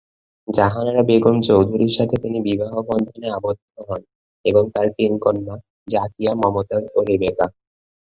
জাহানারা বেগম চৌধুরীর সাথে তিনি বিবাহবন্ধনে আবদ্ধ হন এবং তার তিন কন্যা জাকিয়া, মমতাজ ও রেবেকা।